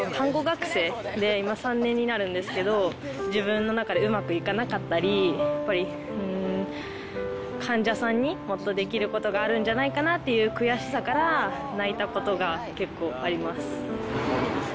ちなみに何で私、看護学生で今、３年になるんですけど、自分の中で、うまくいかなかったり、やっぱり患者さんにもっとできることがあるんじゃないかなっていう悔しさから、泣いたことが結構あります。